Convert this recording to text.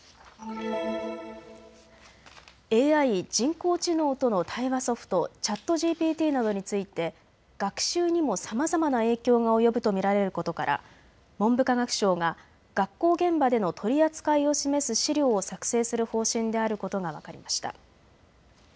ＡＩ・人工知能との対話ソフト、チャットＧＰＴなどについて学習にもさまざまな影響が及ぶと見られることから文部科学省が学校現場での取り扱いを示す資料を作成する方針であることが分かりました。